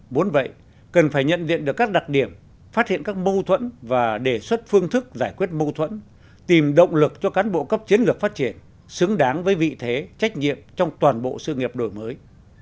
bốn vậy cần phải nhận diện được các đặc điểm phát hiện các mâu thuẫn và đề xuất phương thức giải quyết mâu thuẫn tìm động lực cho cán bộ cấp chiến lược phát triển xứng đáng với vị thế trách nhiệm trong toàn bộ sự nghiệp đổi mới